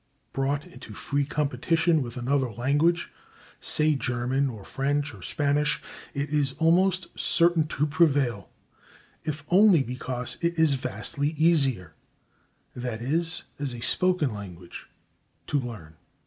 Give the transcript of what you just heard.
Brought into free competition with another language, say German or French or Spanish, it is almost certain to prevail, if only because it is vastly easier that is, as a spoken language to learn.